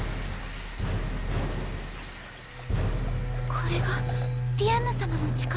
これがディアンヌ様の力。